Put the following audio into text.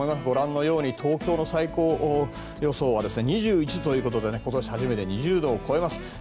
ご覧のように東京の最高予想は２１度ということで今年初めて２０度を超えます。